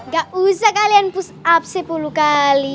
gak usah kalian push up sepuluh kali